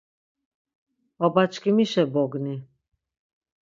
Baba çkimişe bogni.